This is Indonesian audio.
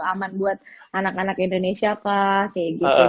aman buat anak anak indonesia kah kayak gitu